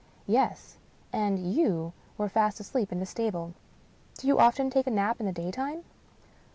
" Yes ; and you were fast asleep in the stable. Do you often take a nap in the daytime